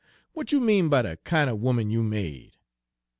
'W'at you mean by de kin' er 'oman you made?'